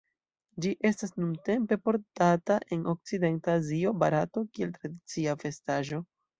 Ĝi estas nuntempe portata en okcidenta Azio, Barato, kiel tradicia vestaĵo.